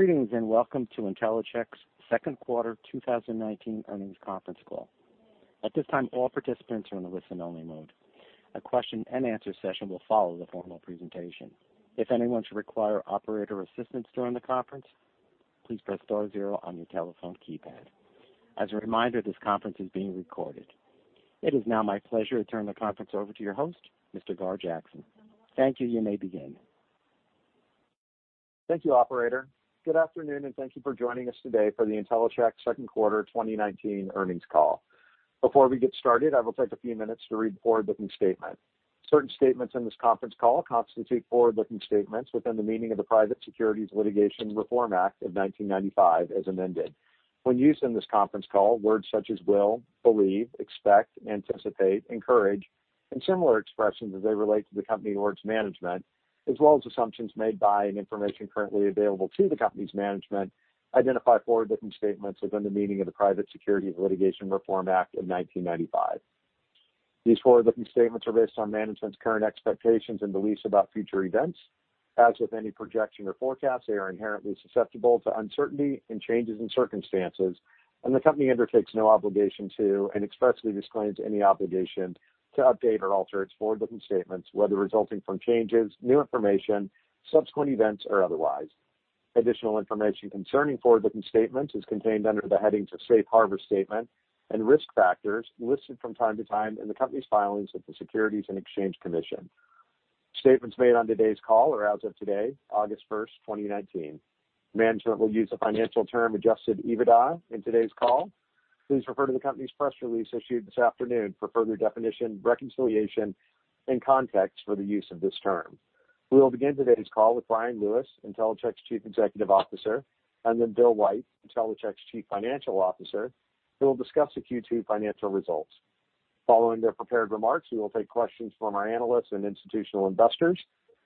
Greetings and welcome to Intellicheck's Q2 2019 Earnings Conference Call. At this time, all participants are in the listen-only mode. A question-and-answer session will follow the formal presentation. If anyone should require operator assistance during the conference, please press star zero on your telephone keypad. As a reminder, this conference is being recorded. It is now my pleasure to turn the conference over to your host, Mr. Gar Jackson. Thank you, you may begin. Thank you, operator. Good afternoon, and thank you for joining us today for the Intellicheck Q2 2019 Earnings Call. Before we get started, I will take a few minutes to read the forward-looking statement. Certain statements in this conference call constitute forward-looking statements within the meaning of the Private Securities Litigation Reform Act of 1995, as amended. When used in this conference call, words such as will, believe, expect, anticipate, encourage, and similar expressions as they relate to the company or management, as well as assumptions made by and information currently available to the company's management, identify forward-looking statements within the meaning of the Private Securities Litigation Reform Act of 1995. These forward-looking statements are based on management's current expectations and beliefs about future events. As with any projection or forecast, they are inherently susceptible to uncertainty and changes in circumstances, and the company undertakes no obligation to, and expressly disclaims any obligation to update or alter its forward-looking statements, whether resulting from changes, new information, subsequent events, or otherwise. Additional information concerning forward-looking statements is contained under the headings of safe harbor statement and risk factors, listed from time to time in the company's filings with the Securities and Exchange Commission. Statements made on today's call are as of today, August 1st, 2019. Management will use the financial term Adjusted EBITDA in today's call. Please refer to the company's press release issued this afternoon for further definition, reconciliation, and context for the use of this term. We will begin today's call with Bryan Lewis, Intellicheck's Chief Executive Officer, and then Bill White, Intellicheck's Chief Financial Officer, who will discuss the Q2 financial results. Following their prepared remarks, we will take questions from our analysts and institutional investors.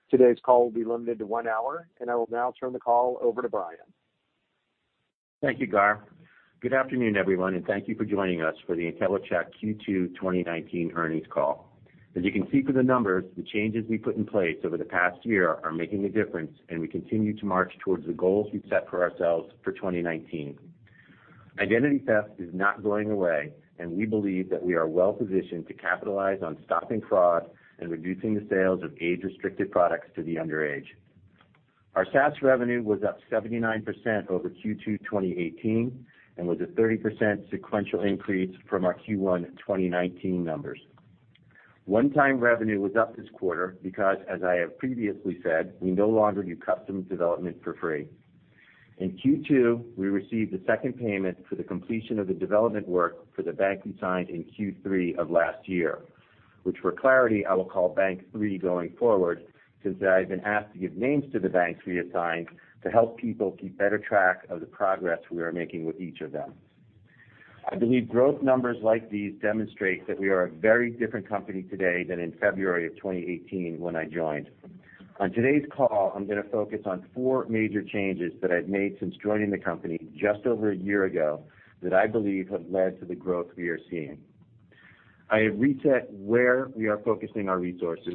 Today's call will be limited to one hour, and I will now turn the call over to Bryan. Thank you, Gar. Good afternoon, everyone, and thank you for joining us for the Intellicheck Q2 2019 Earnings Call. As you can see from the numbers, the changes we put in place over the past year are making a difference, and we continue to march towards the goals we've set for ourselves for 2019. Identity theft is not going away, and we believe that we are well positioned to capitalize on stopping fraud and reducing the sales of age-restricted products to the underage. Our SaaS revenue was up 79% over Q2 2018 and was a 30% sequential increase from our Q1 2019 numbers. One-time revenue was up this quarter because, as I have previously said, we no longer do custom development for free. In Q2, we received the second payment for the completion of the development work for the bank we signed in Q3 of last year, which, for clarity, I will call Bank 3 going forward since I have been asked to give names to the banks we assigned to help people keep better track of the progress we are making with each of them. I believe growth numbers like these demonstrate that we are a very different company today than in February of 2018 when I joined. On today's call, I'm going to focus on four major changes that I've made since joining the company just over a year ago that I believe have led to the growth we are seeing. I have reset where we are focusing our resources,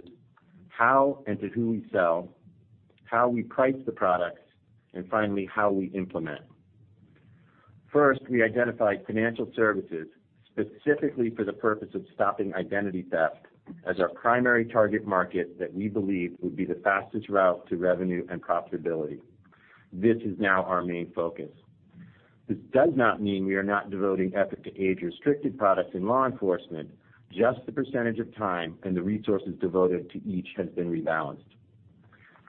how and to who we sell, how we price the products, and finally how we implement. First, we identified financial services specifically for the purpose of stopping identity theft as our primary target market that we believe would be the fastest route to revenue and profitability. This is now our main focus. This does not mean we are not devoting effort to age-restricted products in law enforcement. Just the percentage of time and the resources devoted to each has been rebalanced.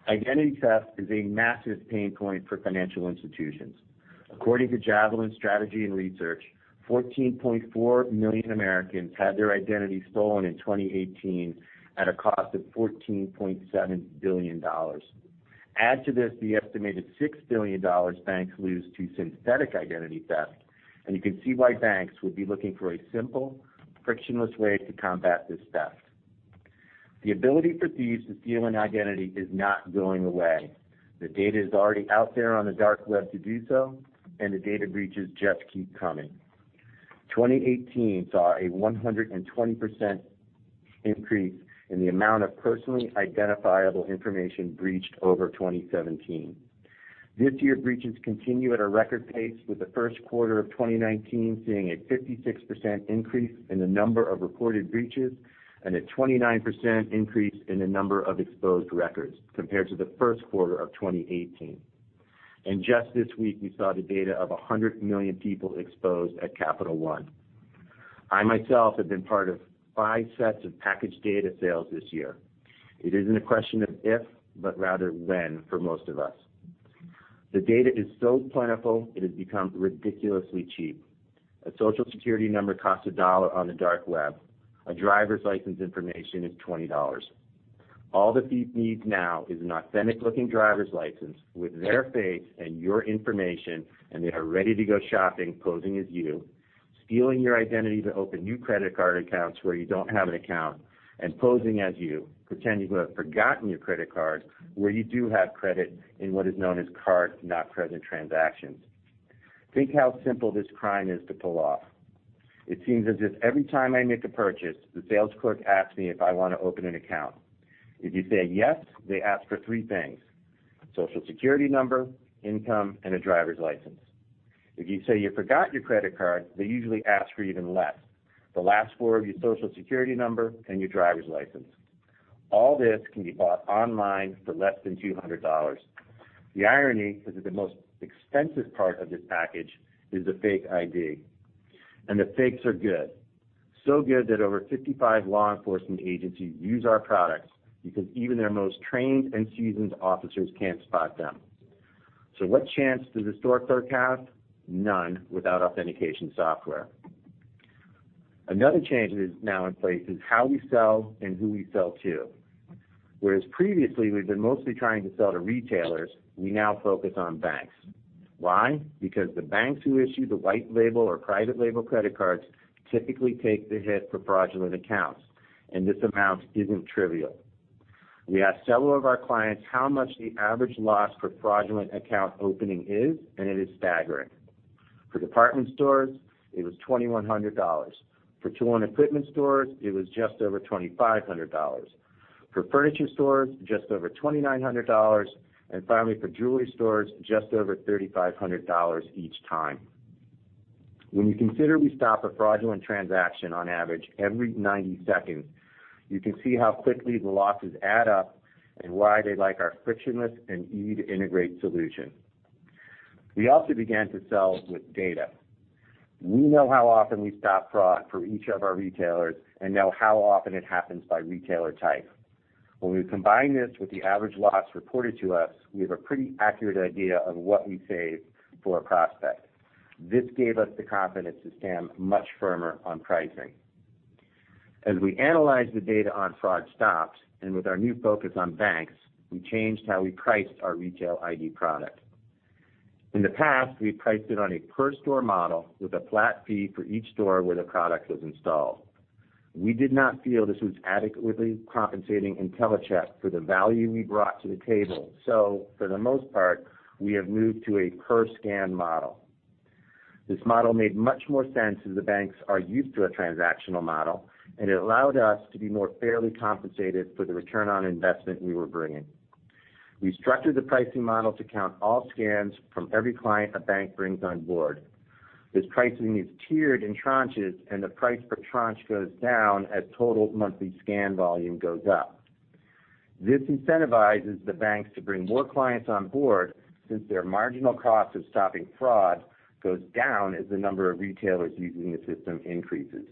Identity theft is a massive pain point for financial institutions. According to Javelin Strategy & Research, 14.4 million Americans had their identity stolen in 2018 at a cost of $14.7 billion. Add to this the estimated $6 billion banks lose to synthetic identity theft, and you can see why banks would be looking for a simple, frictionless way to combat this theft. The ability for thieves to steal an identity is not going away. The data is already out there on the Dark Web to do so, and the data breaches just keep coming. 2018 saw a 120% increase in the amount of personally identifiable information breached over 2017. This year, breaches continue at a record pace, with the first quarter of 2019 seeing a 56% increase in the number of reported breaches and a 29% increase in the number of exposed records compared to the first quarter of 2018, and just this week, we saw the data of 100 million people exposed at Capital One. I myself have been part of five sets of packaged data sales this year. It isn't a question of if, but rather when for most of us. The data is so plentiful, it has become ridiculously cheap. A Social Security number costs $1 on the Dark Web. A driver's license information is $20. All the thief needs now is an authentic-looking driver's license with their face and your information, and they are ready to go shopping, posing as you, stealing your identity to open new credit card accounts where you don't have an account, and posing as you, pretending you have forgotten your credit card where you do have credit in what is known as card-not-present transactions. Think how simple this crime is to pull off. It seems as if every time I make a purchase, the sales clerk asks me if I want to open an account. If you say yes, they ask for three things: Social Security number, income, and a driver's license. If you say you forgot your credit card, they usually ask for even less: the last four of your Social Security number and your driver's license. All this can be bought online for less than $200. The irony is that the most expensive part of this package is the fake ID, and the fakes are good. So good that over 55 law enforcement agencies use our products because even they're most trained and seasoned officers can't spot them. So what chance does the store clerk have? None without authentication software. Another change that is now in place is how we sell and who we sell to. Whereas previously we've been mostly trying to sell to retailers, we now focus on banks. Why? Because the banks who issue the white label or private label credit cards typically take the hit for fraudulent accounts, and this amount isn't trivial. We asked several of our clients how much the average loss for fraudulent account opening is, and it is staggering. For department stores, it was $2,100. For tool and equipment stores, it was just over $2,500. For furniture stores, just over $2,900, and finally for jewelry stores, just over $3,500 each time. When you consider we stop a fraudulent transaction on average every 90 seconds, you can see how quickly the losses add up and why they like our frictionless and easy-to-integrate solution. We also began to sell with data. We know how often we stop fraud for each of our retailers and know how often it happens by retailer type. When we combine this with the average loss reported to us, we have a pretty accurate idea of what we saved for a prospect. This gave us the confidence to stand much firmer on pricing. As we analyzed the data on fraud stops and with our new focus on banks, we changed how we priced our Retail ID product. In the past, we priced it on a per-store model with a flat fee for each store where the product was installed. We did not feel this was adequately compensating Intellicheck for the value we brought to the table, so for the most part, we have moved to a per-scan model. This model made much more sense as the banks are used to a transactional model, and it allowed us to be more fairly compensated for the return on investment we were bringing. We structured the pricing model to count all scans from every client a bank brings on board. This pricing is tiered in tranches, and the price per tranche goes down as total monthly scan volume goes up. This incentivizes the banks to bring more clients on board since their marginal cost of stopping fraud goes down as the number of retailers using the system increases.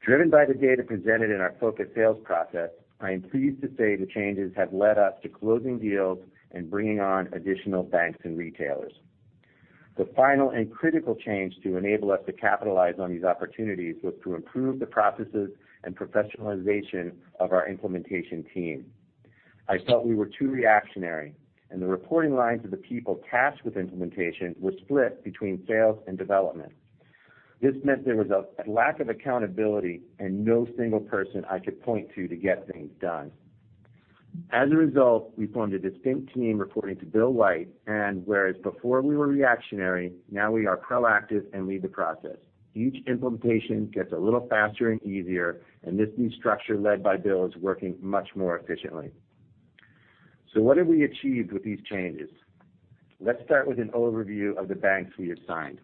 Driven by the data presented in our focused sales process, I am pleased to say the changes have led us to closing deals and bringing on additional banks and retailers. The final and critical change to enable us to capitalize on these opportunities was to improve the processes and professionalization of our implementation team. I felt we were too reactionary, and the reporting lines of the people tasked with implementation were split between sales and development. This meant there was a lack of accountability and no single person I could point to to get things done. As a result, we formed a distinct team reporting to Bill White, and whereas before we were reactionary, now we are proactive and lead the process. Each implementation gets a little faster and easier, and this new structure led by Bill is working much more efficiently. So what have we achieved with these changes? Let's start with an overview of the banks we assigned.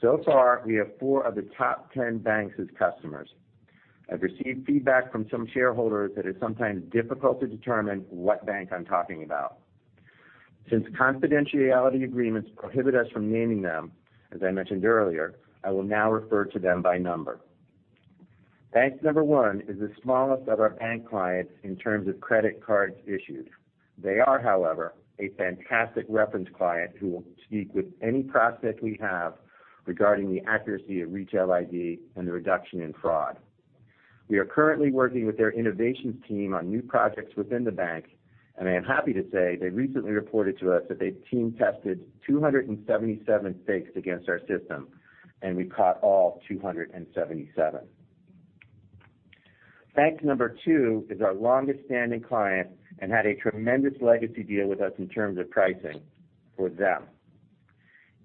So far, we have four of the top 10 banks as customers. I've received feedback from some shareholders that it's sometimes difficult to determine what bank I'm talking about. Since confidentiality agreements prohibit us from naming them, as I mentioned earlier, I will now refer to them by number. Bank number one is the smallest of our bank clients in terms of credit cards issued. They are, however, a fantastic reference client who will speak with any prospect we have regarding the accuracy of Retail ID and the reduction in fraud. We are currently working with their innovations team on new projects within the bank, and I am happy to say they recently reported to us that they've team-tested 277 fakes against our system, and we caught all 277. Bank number two is our longest-standing client and had a tremendous legacy deal with us in terms of pricing for them.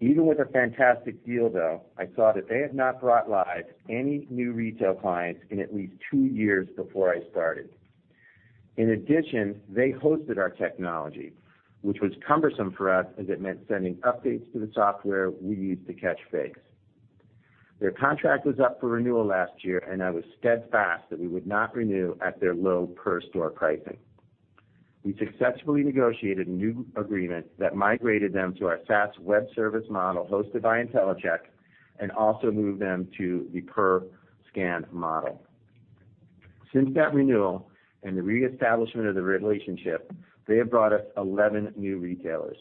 Even with a fantastic deal, though, I saw that they have not brought live any new retail clients in at least two years before I started. In addition, they hosted our technology, which was cumbersome for us as it meant sending updates to the software we used to catch fakes. Their contract was up for renewal last year, and I was steadfast that we would not renew at their low per-store pricing. We successfully negotiated a new agreement that migrated them to our SaaS web service model hosted by Intellicheck and also moved them to the per-scan model. Since that renewal and the reestablishment of the relationship, they have brought us 11 new retailers.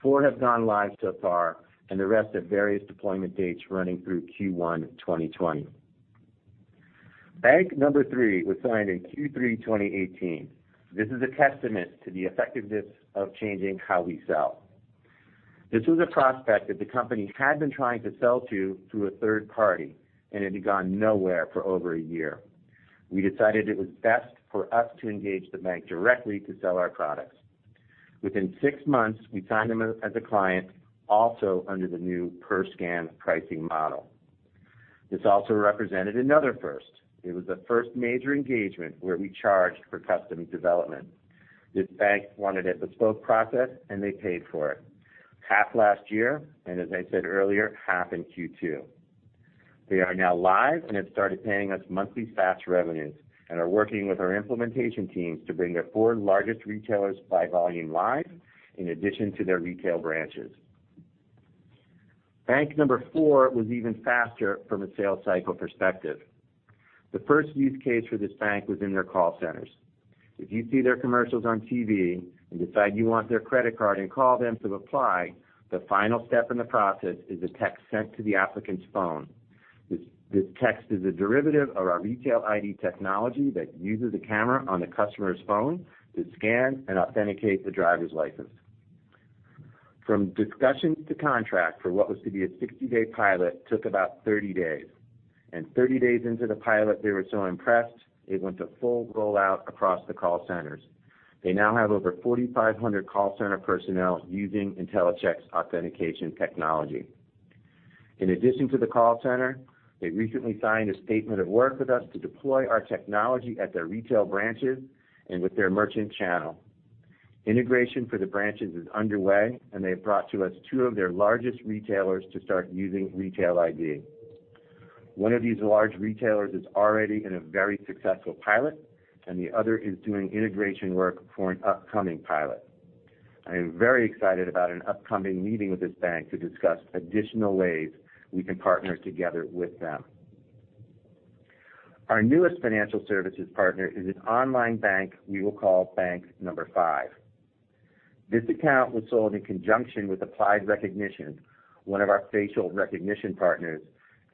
Four have gone live so far, and the rest have various deployment dates running through Q1 2020. Bank number three was signed in Q3 2018. This is a testament to the effectiveness of changing how we sell. This was a prospect that the company had been trying to sell to through a third party, and it had gone nowhere for over a year. We decided it was best for us to engage the bank directly to sell our products. Within six months, we signed them as a client, also under the new per-scan pricing model. This also represented another first. It was the first major engagement where we charged for custom development. This bank wanted a bespoke process, and they paid for it. Half last year, and as I said earlier, half in Q2. They are now live and have started paying us monthly SaaS revenues and are working with our implementation teams to bring their four largest retailers by volume live in addition to their retail branches. Bank number four was even faster from a sales cycle perspective. The first use case for this bank was in their call centers. If you see their commercials on TV and decide you want their credit card and call them to apply, the final step in the process is a text sent to the applicant's phone. This text is a derivative of our Retail ID technology that uses a camera on the customer's phone to scan and authenticate the driver's license. From discussions to contract for what was to be a 60-day pilot took about 30 days, and 30 days into the pilot, they were so impressed, it went to full rollout across the call centers. They now have over 4,500 call center personnel using Intellicheck's authentication technology. In addition to the call center, they recently signed a statement of work with us to deploy our technology at their retail branches and with their merchant channel. Integration for the branches is underway, and they have brought to us two of their largest retailers to start using Retail ID. One of these large retailers is already in a very successful pilot, and the other is doing integration work for an upcoming pilot. I am very excited about an upcoming meeting with this bank to discuss additional ways we can partner together with them. Our newest financial services partner is an online bank we will call Bank Number Five. This account was sold in conjunction with Applied Recognition, one of our facial recognition partners,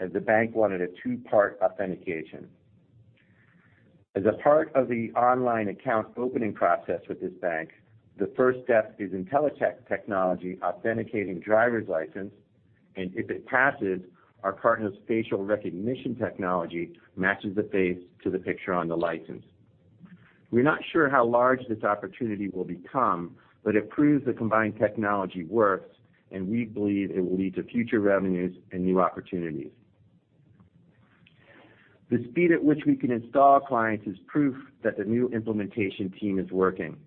as the bank wanted a two-part authentication. As a part of the online account opening process with this bank, the first step is Intellicheck technology authenticating driver's license, and if it passes, our partner's facial recognition technology matches the face to the picture on the license. We're not sure how large this opportunity will become, but it proves the combined technology works, and we believe it will lead to future revenues and new opportunities. The speed at which we can install clients is proof that the new implementation team is working.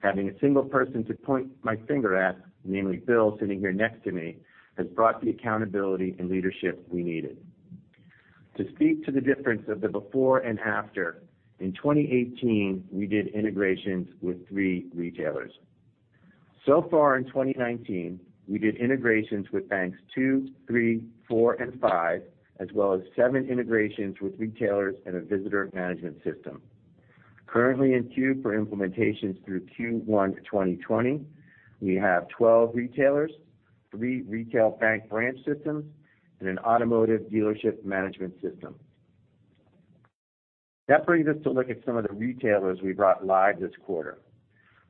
Having a single person to point my finger at, namely Bill sitting here next to me, has brought the accountability and leadership we needed. To speak to the difference of the before and after, in 2018, we did integrations with three retailers. So far in 2019, we did integrations with banks two, three, four, and five, as well as seven integrations with retailers and a visitor management system. Currently in queue for implementations through Q1 2020, we have 12 retailers, three retail bank branch systems, and an automotive dealership management system. That brings us to look at some of the retailers we brought live this quarter.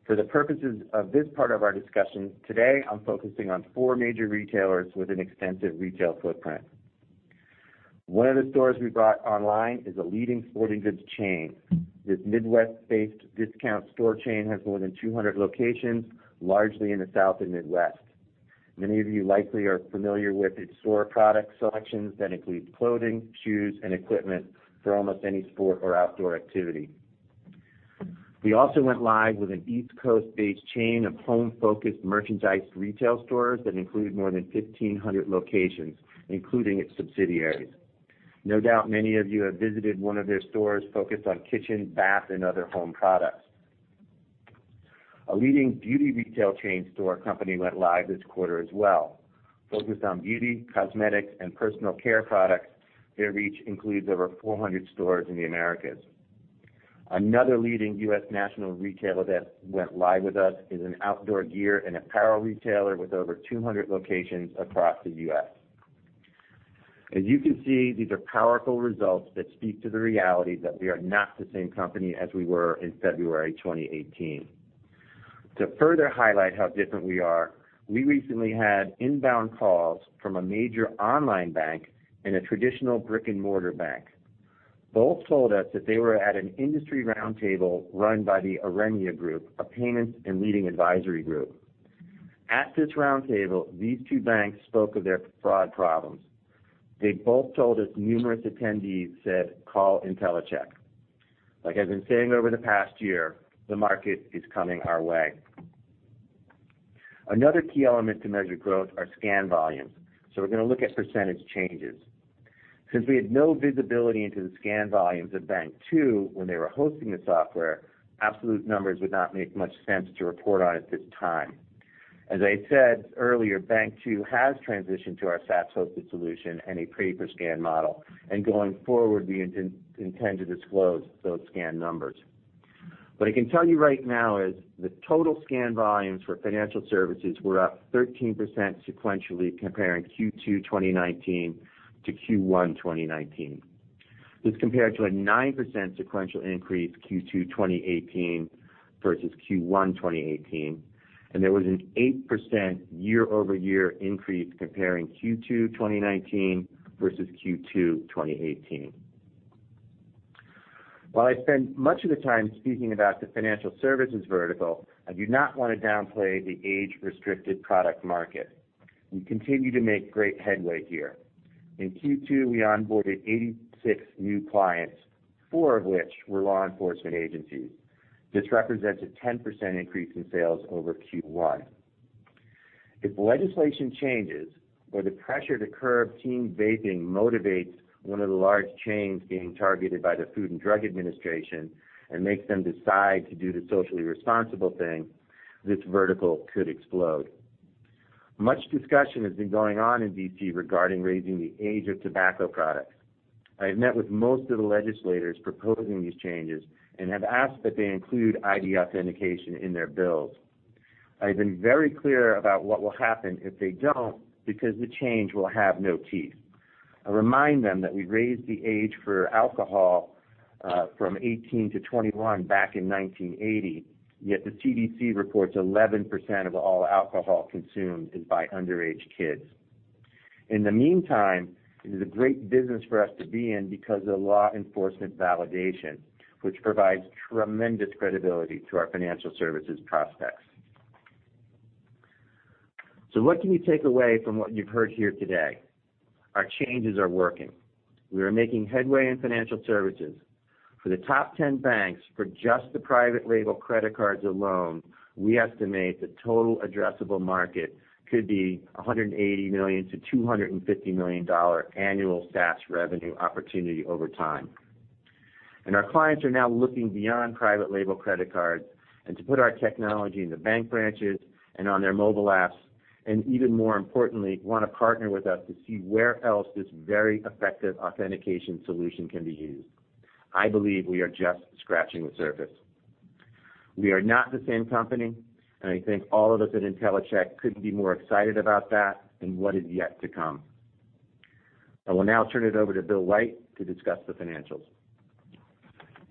For the purposes of this part of our discussion today, I'm focusing on four major retailers with an extensive retail footprint. One of the stores we brought online is a leading sporting goods chain. This Midwest-based discount store chain has more than 200 locations, largely in the South and Midwest. Many of you likely are familiar with its store product selections that include clothing, shoes, and equipment for almost any sport or outdoor activity. We also went live with an East Coast-based chain of home-focused merchandise retail stores that include more than 1,500 locations, including its subsidiaries. No doubt many of you have visited one of their stores focused on kitchen, bath, and other home products. A leading beauty retail chain store company went live this quarter as well. Focused on beauty, cosmetics, and personal care products, they reach includes over 400 stores in the Americas. Another leading U.S. national retailer that went live with us is an outdoor gear and apparel retailer with over 200 locations across the U.S. As you can see, these are powerful results that speak to the reality that we are not the same company as we were in February 2018. To further highlight how different we are, we recently had inbound calls from a major online bank and a traditional brick-and-mortar bank. Both told us that they were at an industry roundtable run by the Auriemma Group, a payments and leading advisory group. At this roundtable, these two banks spoke of their fraud problems. They both told us numerous attendees said, "Call Intellicheck." Like I've been saying over the past year, the market is coming our way. Another key element to measure growth are scan volumes, so we're going to look at percentage changes. Since we had no visibility into the scan volumes of Bank Two when they were hosting the software, absolute numbers would not make much sense to report on at this time. As I said earlier, Bank Two has transitioned to our SaaS-hosted solution and a pay-per-scan model, and going forward, we intend to disclose those scan numbers. What I can tell you right now is the total scan volumes for financial services were up 13% sequentially comparing Q2 2019 to Q1 2019. This compared to a 9% sequential increase Q2 2018 versus Q1 2018, and there was an 8% year-over-year increase comparing Q2 2019 versus Q2 2018. While I spend much of the time speaking about the financial services vertical, I do not want to downplay the age-restricted product market. We continue to make great headway here. In Q2, we onboarded 86 new clients, four of which were law enforcement agencies. This represents a 10% increase in sales over Q1. If legislation changes or the pressure to curb teen vaping motivates one of the large chains being targeted by the Food and Drug Administration and makes them decide to do the socially responsible thing, this vertical could explode. Much discussion has been going on in Washington, D.C. regarding raising the age of tobacco products. I have met with most of the legislators proposing these changes and have asked that they include ID authentication in their bills. I have been very clear about what will happen if they don't because the change will have no teeth. I remind them that we raised the age for alcohol from 18 to 21 back in 1980, yet the CDC reports 11% of all alcohol consumed is by underage kids. In the meantime, it is a great business for us to be in because of law enforcement validation, which provides tremendous credibility to our financial services prospects. So what can you take away from what you've heard here today? Our changes are working. We are making headway in financial services. For the top 10 banks, for just the private label credit cards alone, we estimate the total addressable market could be $180 million-$250 million annual SaaS revenue opportunity over time, and our clients are now looking beyond private label credit cards and to put our technology in the bank branches and on their mobile apps, and even more importantly, want to partner with us to see where else this very effective authentication solution can be used. I believe we are just scratching the surface. We are not the same company, and I think all of us at Intellicheck couldn't be more excited about that and what is yet to come. I will now turn it over to Bill White to discuss the financials.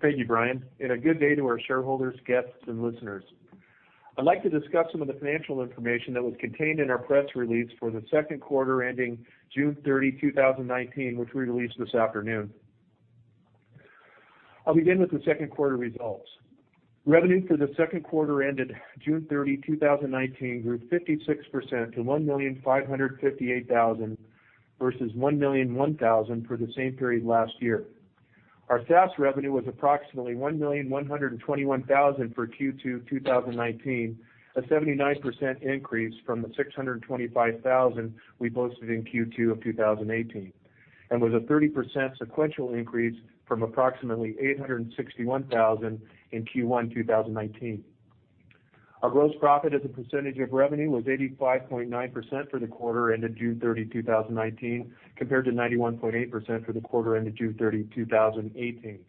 Thank you, Bryan, and a good day to our shareholders, guests, and listeners. I'd like to discuss some of the financial information that was contained in our press release for the second quarter ending June 30, 2019, which we released this afternoon. I'll begin with the second quarter results. Revenue for the second quarter ended June 30, 2019, grew 56% to $1,558,000 versus $1,001,000 for the same period last year. Our SaaS revenue was approximately $1,121,000 for Q2 2019, a 79% increase from the $625,000 we posted in Q2 of 2018, and was a 30% sequential increase from approximately $861,000 in Q1 2019. Our gross profit as a percentage of revenue was 85.9% for the quarter ended June 30, 2019, compared to 91.8% for the quarter ended June 30, 2018.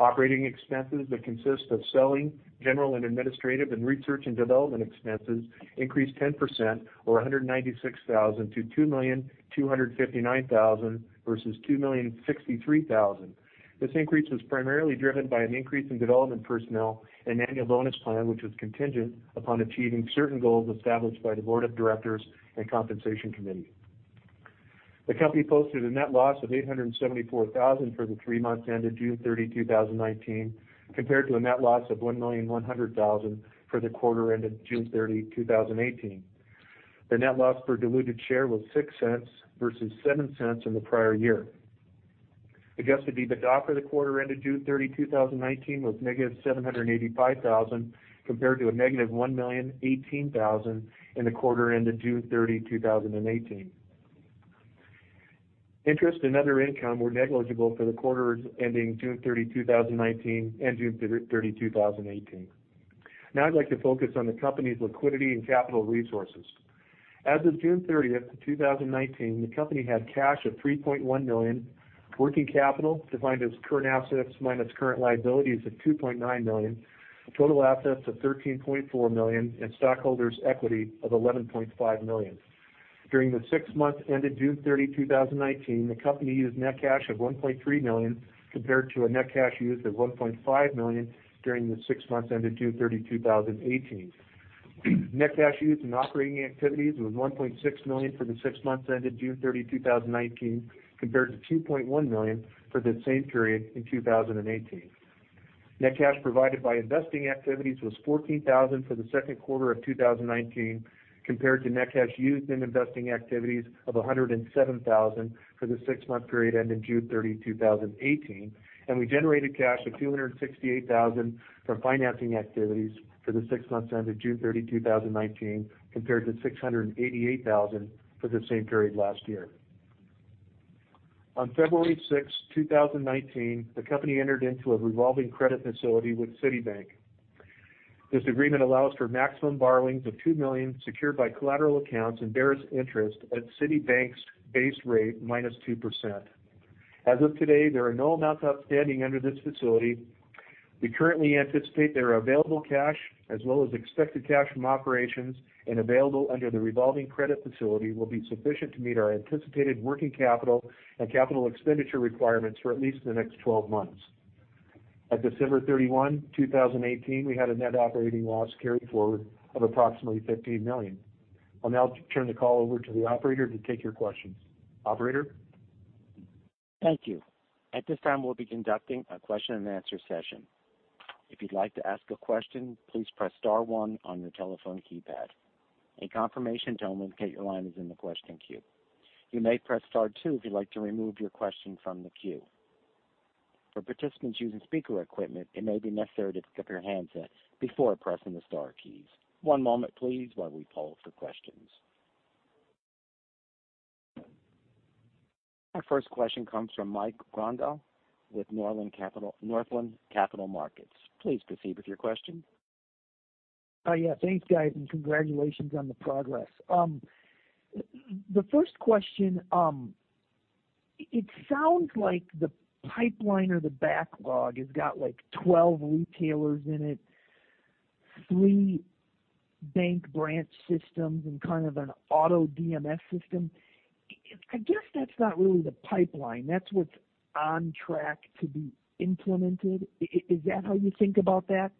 Operating expenses that consist of selling, general and administrative, and research and development expenses increased 10%, or $196,000 to $2,259,000 versus $2,063,000. This increase was primarily driven by an increase in development personnel and annual bonus plan, which was contingent upon achieving certain goals established by the board of directors and compensation committee. The company posted a net loss of $874,000 for the three months ended June 30, 2019, compared to a net loss of $1,100,000 for the quarter ended June 30, 2018. The net loss for diluted share was $0.06 versus $0.07 in the prior year. Adjusted EBITDA for the quarter ended June 30, 2019, was negative $785,000 compared to a negative $1,018,000 in the quarter ended June 30, 2018. Interest and other income were negligible for the quarter ending June 30, 2019, and June 30, 2018. Now I'd like to focus on the company's liquidity and capital resources. As of June 30, 2019, the company had cash of $3.1 million, working capital defined as current assets minus current liabilities of $2.9 million, total assets of $13.4 million, and stockholders' equity of $11.5 million. During the six months ended June 30, 2019, the company used net cash of $1.3 million compared to a net cash used of $1.5 million during the six months ended June 30, 2018. Net cash used in operating activities was $1.6 million for the six months ended June 30, 2019, compared to $2.1 million for the same period in 2018. Net cash provided by investing activities was $14,000 for the second quarter of 2019 compared to net cash used in investing activities of $107,000 for the six-month period ended June 30, 2018, and we generated cash of $268,000 from financing activities for the six months ended June 30, 2019, compared to $688,000 for the same period last year. On February 6, 2019, the company entered into a revolving credit facility with Citibank. This agreement allows for maximum borrowings of $2 million secured by collateral accounts and various interest at Citibank's base rate minus 2%. As of today, there are no amounts outstanding under this facility. We currently anticipate there are available cash as well as expected cash from operations and available under the revolving credit facility will be sufficient to meet our anticipated working capital and capital expenditure requirements for at least the next 12 months. At December 31, 2018, we had a Net Operating Loss carried forward of approximately $15 million. I'll now turn the call over to the operator to take your questions. Operator. Thank you. At this time, we'll be conducting a question-and-answer session. If you'd like to ask a question, please press star one on your telephone keypad. A confirmation tone indicates your line is in the question queue. You may press star two if you'd like to remove your question from the queue. For participants using speaker equipment, it may be necessary to pick up your handset before pressing the star keys. One moment, please, while we poll for questions. Our first question comes from Mike Grondahl with Northland Capital Markets. Please proceed with your question. Yeah. Thanks, guys, and congratulations on the progress. The first question, it sounds like the pipeline or the backlog has got like 12 retailers in it, three bank branch systems, and kind of an auto DMS system. I guess that's not really the pipeline. That's what's on track to be implemented. Is that how you think about that?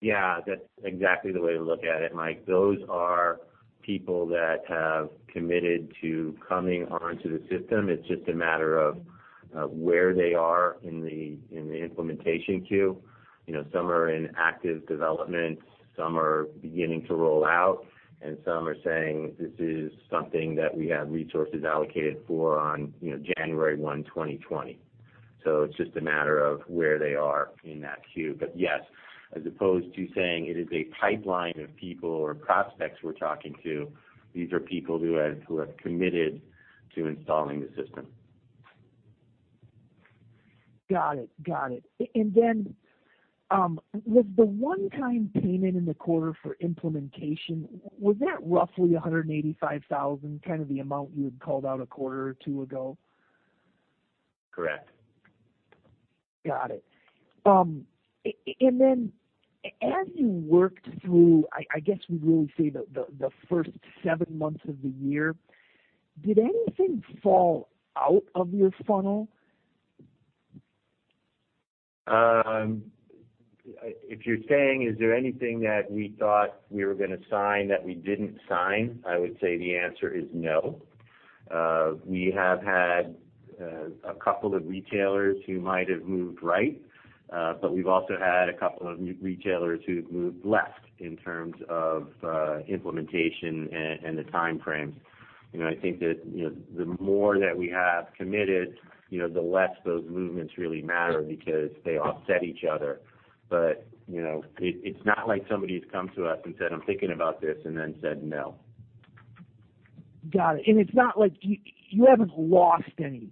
Yeah. That's exactly the way to look at it, Mike. Those are people that have committed to coming onto the system. It's just a matter of where they are in the implementation queue. Some are in active development, some are beginning to roll out, and some are saying this is something that we have resources allocated for on January 1, 2020. So it's just a matter of where they are in that queue. But yes, as opposed to saying it is a pipeline of people or prospects we're talking to, these are people who have committed to installing the system. Got it. Got it. And then was the one-time payment in the quarter for implementation, was that roughly $185,000, kind of the amount you had called out a quarter or two ago? Correct. Got it. And then as you worked through, I guess we'd really say the first seven months of the year, did anything fall out of your funnel? If you're saying, is there anything that we thought we were going to sign that we didn't sign, I would say the answer is no. We have had a couple of retailers who might have moved right, but we've also had a couple of retailers who've moved left in terms of implementation and the time frames. I think that the more that we have committed, the less those movements really matter because they offset each other. But it's not like somebody has come to us and said, "I'm thinking about this," and then said, "No. Got it. And it's not like you haven't lost any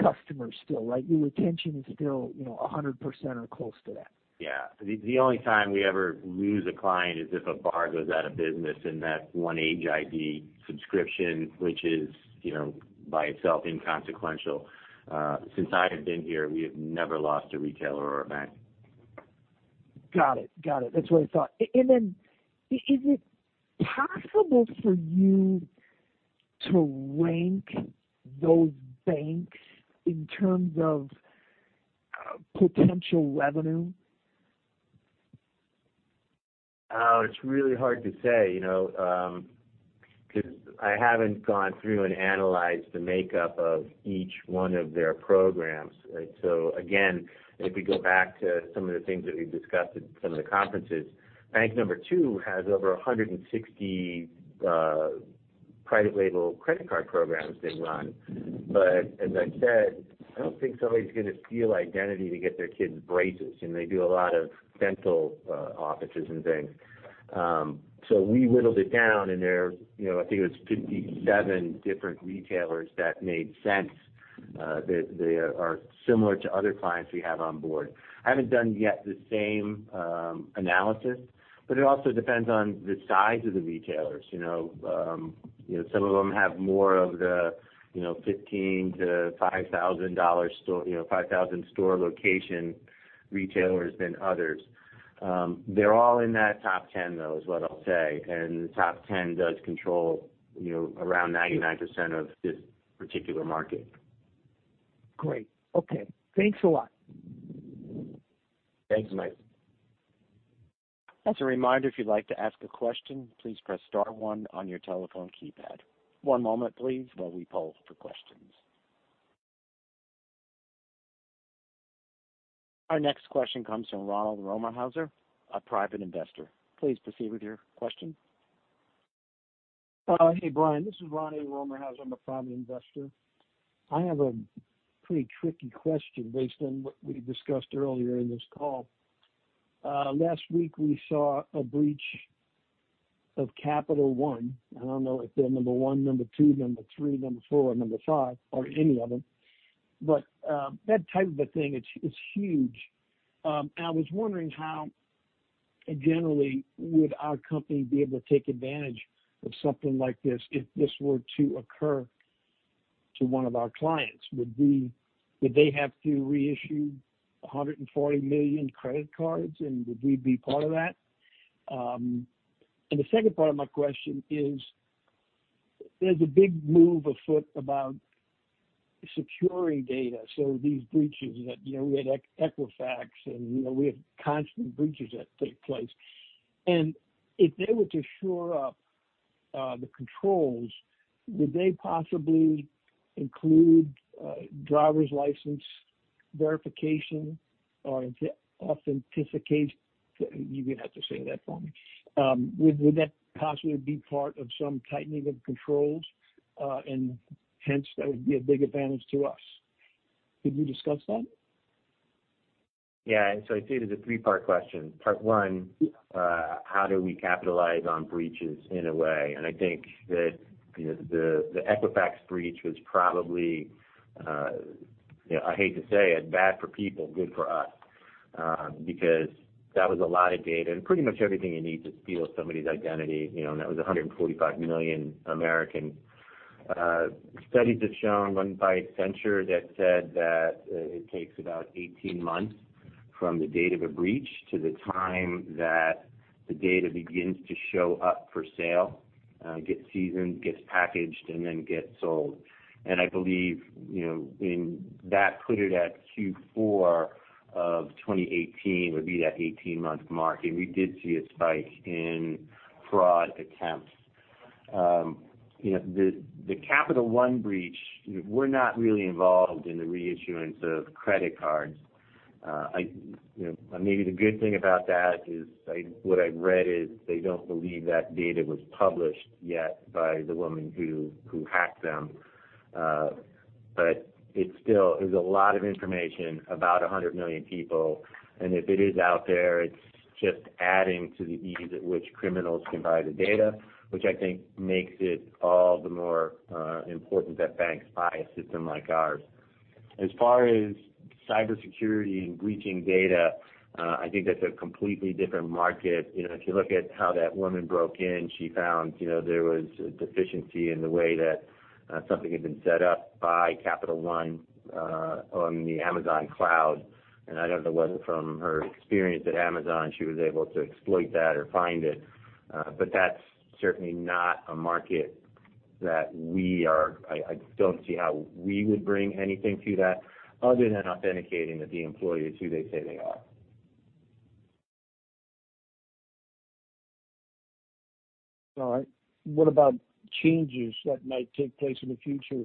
customers still, right? Your retention is still 100% or close to that. Yeah. The only time we ever lose a client is if a bar goes out of business in that one Age ID subscription, which is by itself inconsequential. Since I have been here, we have never lost a retailer or a bank. Got it. Got it. That's what I thought. And then is it possible for you to rank those banks in terms of potential revenue? Oh, it's really hard to say because I haven't gone through and analyzed the makeup of each one of their programs. So again, if we go back to some of the things that we've discussed at some of the conferences, bank number two has over 160 private label credit card programs they run. But as I said, I don't think somebody's going to steal identity to get their kids braces. They do a lot of dental offices and things. So we whittled it down, and I think it was 57 different retailers that made sense that are similar to other clients we have on board. I haven't done yet the same analysis, but it also depends on the size of the retailers. Some of them have more of the $15,000-$5,000 store location retailers than others. They're all in that top 10, though, is what I'll say. The top 10 does control around 99% of this particular market. Great. Okay. Thanks a lot. Thanks, Mike. As a reminder, if you'd like to ask a question, please press star one on your telephone keypad. One moment, please, while we poll for questions. Our next question comes from Ronald Romerhauser, a private investor. Please proceed with your question. Hey, Bryan. This is Ronnie Romerhauser. I'm a private investor. I have a pretty tricky question based on what we discussed earlier in this call. Last week, we saw a breach of Capital One. I don't know if they're number one, number two, number three, number four, or number five, or any of them. But that type of a thing, it's huge. I was wondering how, generally, would our company be able to take advantage of something like this if this were to occur to one of our clients? Would they have to reissue $140 million credit cards, and would we be part of that? And the second part of my question is, there's a big move afoot about securing data. So these breaches that we had Equifax, and we have constant breaches that take place. And if they were to shore up the controls, would they possibly include driver's license verification or authentication? You're going to have to say that for me. Would that possibly be part of some tightening of controls, and hence, that would be a big advantage to us? Could you discuss that? Yeah. So I see it as a three-part question. Part one, how do we capitalize on breaches in a way? And I think that the Equifax breach was probably, I hate to say, as bad for people, good for us because that was a lot of data. And pretty much everything you need to steal somebody's identity. And that was $145 million. Studies have shown, run by Accenture, that said that it takes about 18 months from the date of a breach to the time that the data begins to show up for sale, gets seasoned, gets packaged, and then gets sold. And I believe that put it at Q4 of 2018 would be that 18-month mark. And we did see a spike in fraud attempts. The Capital One breach, we're not really involved in the re-issuance of credit cards. Maybe the good thing about that is what I've read is they don't believe that data was published yet by the woman who hacked them. But it's still, there's a lot of information about 100 million people. And if it is out there, it's just adding to the ease at which criminals can buy the data, which I think makes it all the more important that banks buy a system like ours. As far as cybersecurity and breaching data, I think that's a completely different market. If you look at how that woman broke in, she found there was a deficiency in the way that something had been set up by Capital One on the Amazon cloud. And I don't know whether from her experience at Amazon, she was able to exploit that or find it. But that's certainly not a market that we are. I don't see how we would bring anything to that other than authenticating that the employee is who they say they are. All right. What about changes that might take place in the future?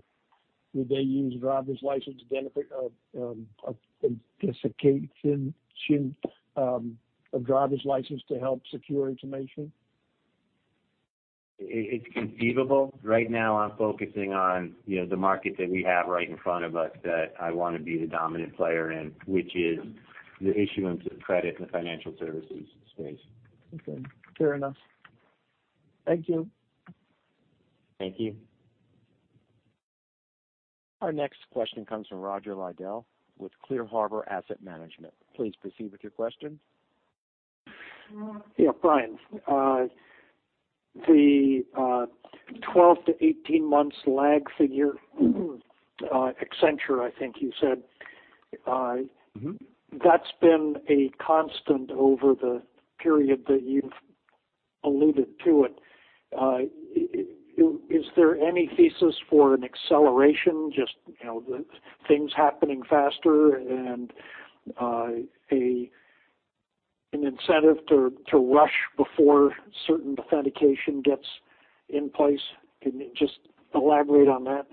Would they use a driver's license identification of driver's license to help secure information? It's conceivable. Right now, I'm focusing on the market that we have right in front of us that I want to be the dominant player in, which is the issuance of credit in the financial services space. Okay. Fair enough. Thank you. Thank you. Our next question comes from Roger Lydell with Clear Harbor Asset Management. Please proceed with your question. Yeah, Bryan. The 12-18 months lag figure, Accenture, I think you said, that's been a constant over the period that you've alluded to it. Is there any thesis for an acceleration, just things happening faster and an incentive to rush before certain authentication gets in place? Can you just elaborate on that?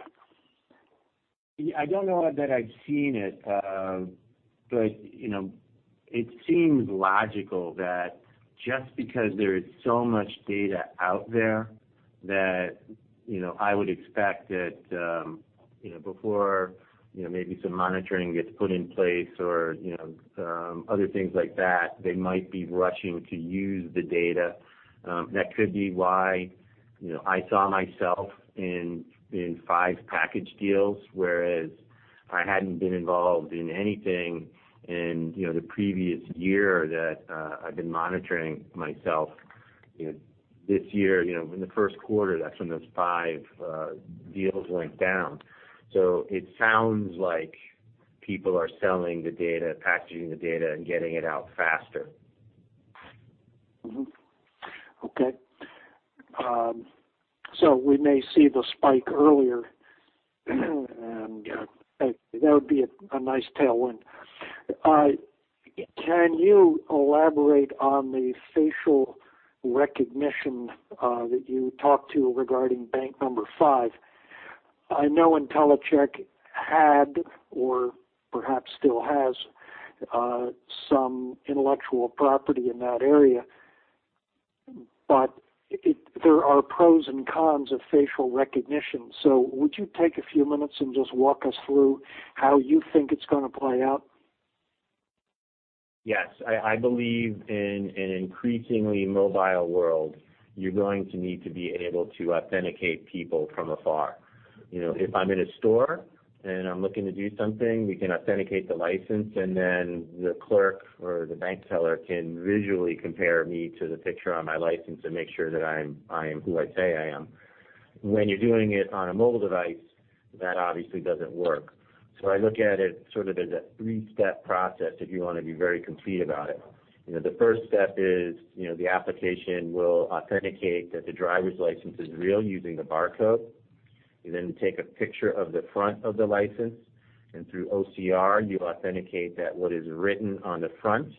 I don't know that I've seen it, but it seems logical that just because there is so much data out there that I would expect that before maybe some monitoring gets put in place or other things like that, they might be rushing to use the data. That could be why I saw myself in five package deals, whereas I hadn't been involved in anything in the previous year that I've been monitoring myself. This year, in the first quarter, that's when those five deals went down. So it sounds like people are selling the data, packaging the data, and getting it out faster. Okay. So we may see the spike earlier. And that would be a nice tailwind. Can you elaborate on the facial recognition that you talked to regarding bank number five? I know Intellicheck had or perhaps still has some intellectual property in that area, but there are pros and cons of facial recognition. So would you take a few minutes and just walk us through how you think it's going to play out? Yes. I believe in an increasingly mobile world, you're going to need to be able to authenticate people from afar. If I'm in a store and I'm looking to do something, we can authenticate the license, and then the clerk or the bank teller can visually compare me to the picture on my license and make sure that I am who I say I am. When you're doing it on a mobile device, that obviously doesn't work. So I look at it sort of as a three-step process if you want to be very complete about it. The first step is the application will authenticate that the driver's license is real using the barcode. You then take a picture of the front of the license. And through OCR, you authenticate that what is written on the front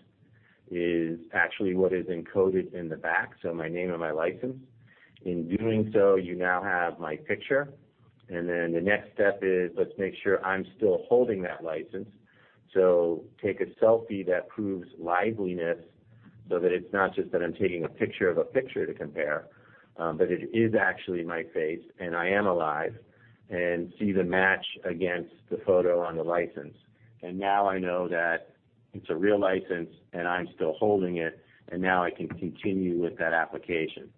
is actually what is encoded in the back, so my name and my license. In doing so, you now have my picture. And then the next step is, let's make sure I'm still holding that license. So take a selfie that proves liveness so that it's not just that I'm taking a picture of a picture to compare, but it is actually my face, and I am alive, and see the match against the photo on the license. And now I know that it's a real license, and I'm still holding it, and now I can continue with that application.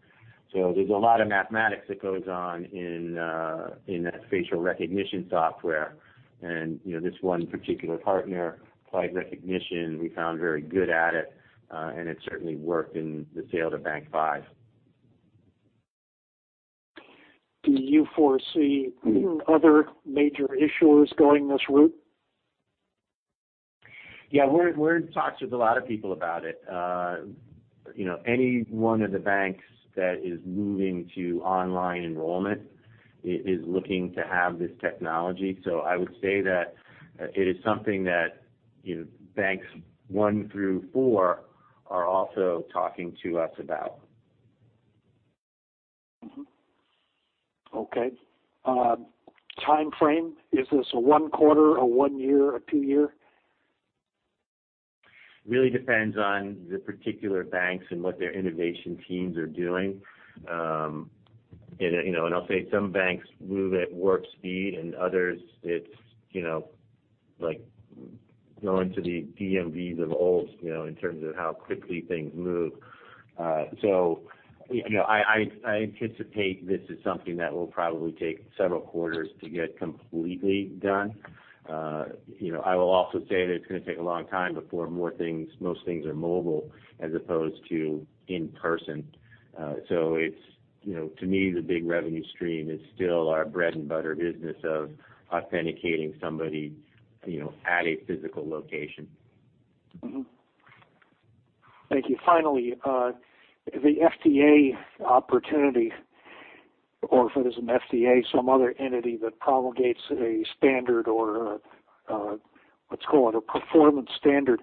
So there's a lot of mathematics that goes on in that facial recognition software. And this one particular partner, Applied Recognition, we found very good at it, and it certainly worked in the sale to Bank Five. Do you foresee other major issuers going this route? Yeah. We're in talks with a lot of people about it. Any one of the banks that is moving to online enrollment is looking to have this technology. So I would say that it is something that banks one through four are also talking to us about. Okay. Timeframe? Is this a one quarter, a one year, a two year? It really depends on the particular banks and what their innovation teams are doing. And I'll say some banks move at warp speed, and others, it's like going to the DMVs of old in terms of how quickly things move. So I anticipate this is something that will probably take several quarters to get completely done. I will also say that it's going to take a long time before most things are mobile as opposed to in person. So to me, the big revenue stream is still our bread-and-butter business of authenticating somebody at a physical location. Thank you. Finally, the FDA opportunity, or if it is an FDA, some other entity that promulgates a standard or, let's call it, a performance standard.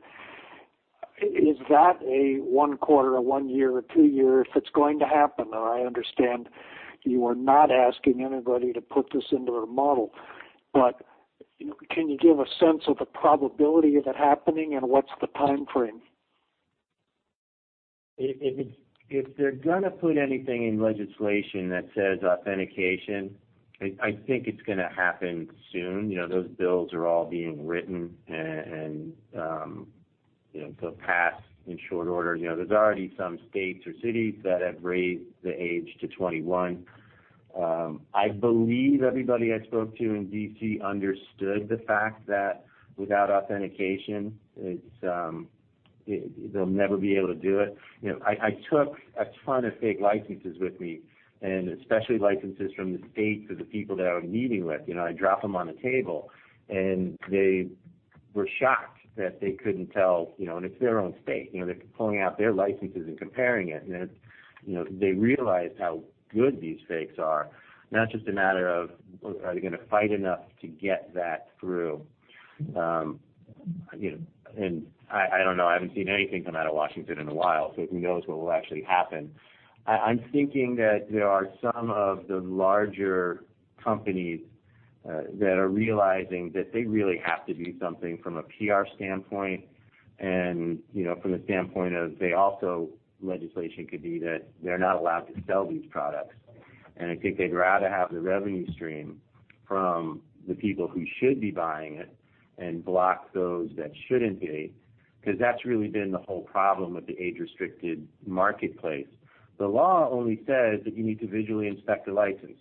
Is that a one quarter, a one year, a two year if it's going to happen? And I understand you are not asking anybody to put this into their model. But can you give a sense of the probability of it happening, and what's the timeframe? If they're going to put anything in legislation that says authentication, I think it's going to happen soon. Those bills are all being written and pass in short order. There's already some states or cities that have raised the age to 21. I believe everybody I spoke to in DC understood the fact that without authentication, they'll never be able to do it. I took a ton of fake licenses with me, and especially licenses from the states of the people that I was meeting with. I dropped them on the table, and they were shocked that they couldn't tell, and it's their own state. They're pulling out their licenses and comparing it, and they realized how good these fakes are, not just a matter of, are they going to fight enough to get that through? And I don't know. I haven't seen anything come out of Washington, D.C. in a while, so who knows what will actually happen? I'm thinking that there are some of the larger companies that are realizing that they really have to do something from a PR standpoint and from the standpoint that legislation could be that they're not allowed to sell these products. And I think they'd rather have the revenue stream from the people who should be buying it and block those that shouldn't be because that's really been the whole problem with the age-restricted marketplace. The law only says that you need to visually inspect a license.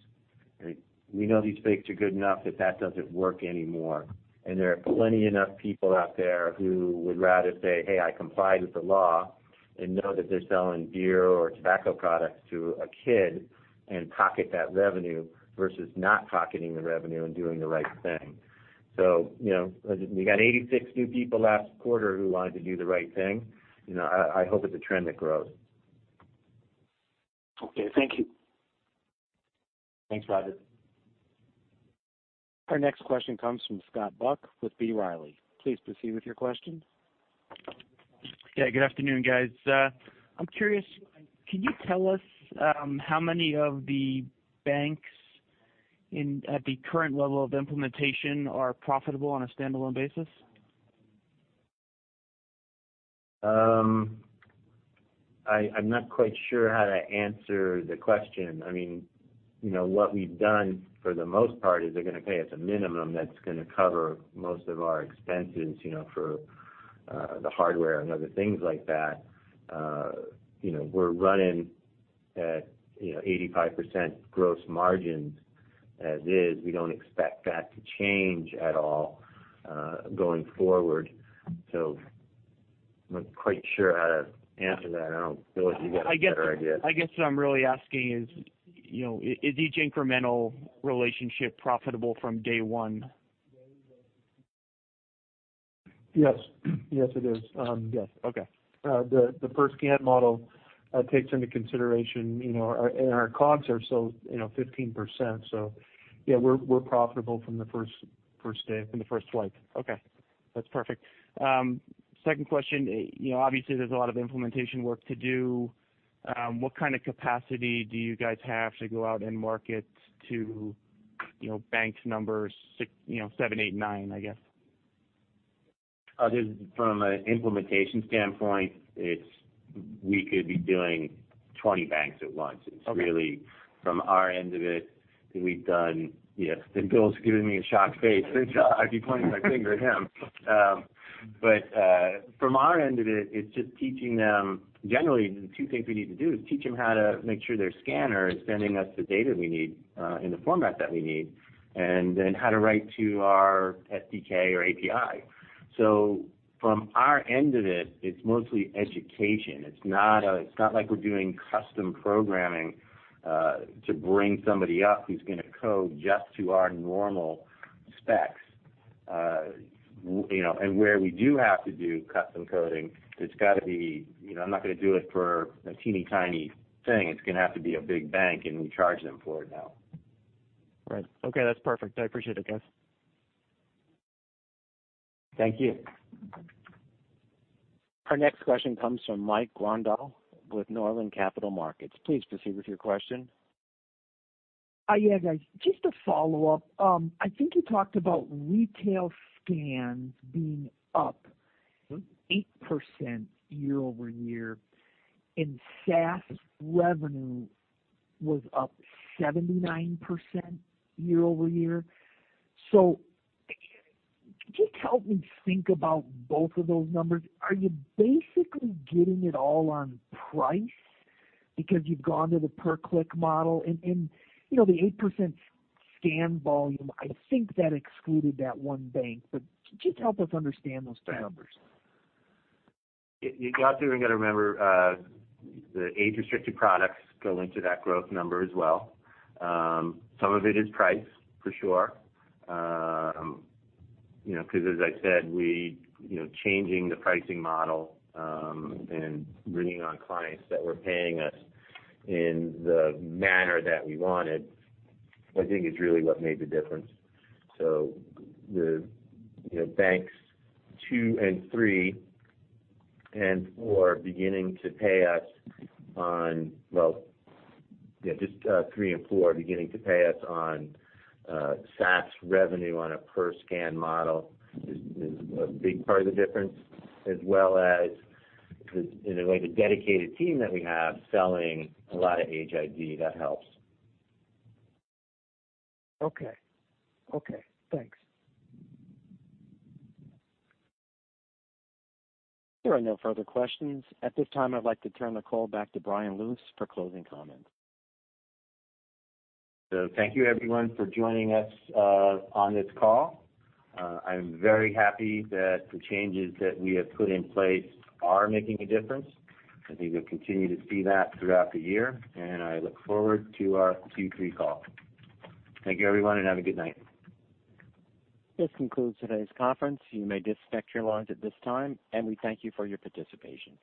We know these fakes are good enough that that doesn't work anymore. There are plenty enough people out there who would rather say, "Hey, I complied with the law," and know that they're selling beer or tobacco products to a kid and pocket that revenue versus not pocketing the revenue and doing the right thing. We got 86 new people last quarter who wanted to do the right thing. I hope it's a trend that grows. Okay. Thank you. Thanks, Roger. Our next question comes from Scott Buck with B. Riley. Please proceed with your question. Yeah. Good afternoon, guys. I'm curious, can you tell us how many of the banks at the current level of implementation are profitable on a standalone basis? I'm not quite sure how to answer the question. I mean, what we've done for the most part is they're going to pay us a minimum that's going to cover most of our expenses for the hardware and other things like that. We're running at 85% gross margins as is. We don't expect that to change at all going forward. So I'm not quite sure how to answer that. I don't feel like you got a better idea. I guess what I'm really asking is, is each incremental relationship profitable from day one? Yes. Yes, it is. Yes. Okay. The first scan model takes into consideration our COGS are still 15%. So yeah, we're profitable from the first day from the first swipe. Okay. That's perfect. Second question, obviously, there's a lot of implementation work to do. What kind of capacity do you guys have to go out and market to bank numbers seven, eight, nine, I guess? From an implementation standpoint, we could be doing 20 banks at once. It's really from our end of it that we've done. Bill's giving me a shock face. I'd be pointing my finger at him. But from our end of it, it's just teaching them generally the two things we need to do is teach them how to make sure their scanner is sending us the data we need in the format that we need and then how to write to our SDK or API. So from our end of it, it's mostly education. It's not like we're doing custom programming to bring somebody up who's going to code just to our normal specs, and where we do have to do custom coding, it's got to be. I'm not going to do it for a teeny tiny thing. It's going to have to be a big bank, and we charge them for it now. Right. Okay. That's perfect. I appreciate it, guys. Thank you. Our next question comes from Mike Grondahl with Northland Capital Markets. Please proceed with your question. Yeah, guys. Just to follow up, I think you talked about retail scans being up 8% year-over-year, and SaaS revenue was up 79% year-over-year. So just help me think about both of those numbers. Are you basically getting it all on price because you've gone to the per-click model? And the 8% scan volume, I think that excluded that one bank, but just help us understand those two numbers. You're also going to remember the age-restricted products go into that growth number as well. Some of it is price, for sure, because as I said, changing the pricing model and bringing on clients that were paying us in the manner that we wanted, I think, is really what made the difference. So the banks two and three and four beginning to pay us on, well, yeah, just three and four beginning to pay us on SaaS revenue on a per-scan model is a big part of the difference, as well as in a way, the dedicated team that we have selling a lot of age ID that helps. Okay. Okay. Thanks. There are no further questions. At this time, I'd like to turn the call back to Bryan Lewis for closing comments. So thank you, everyone, for joining us on this call. I'm very happy that the changes that we have put in place are making a difference. I think we'll continue to see that throughout the year, and I look forward to our Q3 call. Thank you, everyone, and have a good night. This concludes today's conference. You may disconnect your lines at this time, and we thank you for your participation.